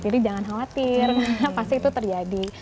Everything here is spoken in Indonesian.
jadi jangan khawatir pasti itu terjadi